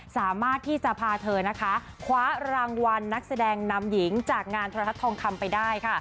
สามารถที่จะพาเธอนะคะคว้ารางวัลนักแสดงนำหญิงจากงานโทรทัศน์ทองคำไปได้ค่ะ